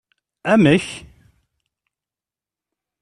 Amek!